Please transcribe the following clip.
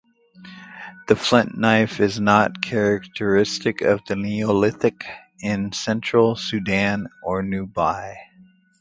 The flint knife is not characteristic of the Neolithic in central Sudan or Nubia.